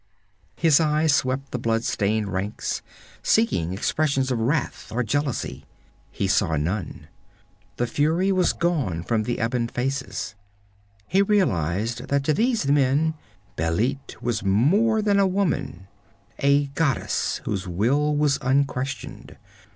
His eyes swept the blood stained ranks, seeking expressions of wrath or jealousy. He saw none. The fury was gone from the ebon faces. He realized that to these men Bêlit was more than a woman: a goddess whose will was unquestioned.